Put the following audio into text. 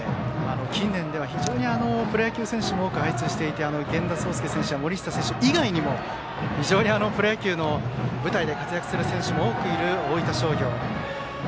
近年では、非常にプロ野球選手も多く輩出していて源田壮亮選手や森下選手以外にも非常にプロ野球の舞台で活躍する選手も多くいる、大分商業。